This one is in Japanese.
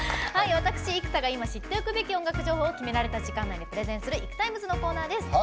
私、生田が今知っておくべき音楽情報を決められた時間内でプレゼンする「ＩＫＵＴＩＭＥＳ」のコーナーです。